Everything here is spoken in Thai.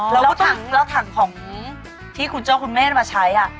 อ๋อแล้วถังแล้วถังของที่คุณเจ้าคุณเม่นมาใช้อ่ะ